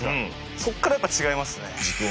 そこからやっぱり違いますね。